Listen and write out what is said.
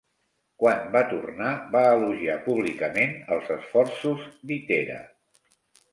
Quan va tornar, va elogiar públicament els esforços d'Itera.